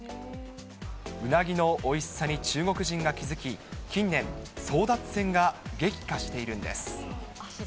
うなぎのおいしさに中国人が気付き、近年、争奪戦が激化しているんです。